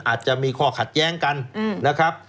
อาจจะมีข้อขัดแย้งกันนะครับ